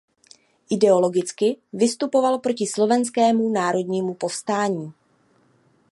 Ideologicky vystupoval proti Slovenskému národnímu povstání.